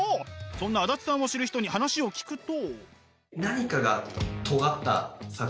そんな足立さんを知る人に話を聞くと。